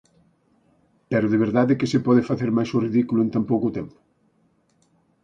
Pero ¿de verdade que se pode facer máis o ridículo en tan pouco tempo?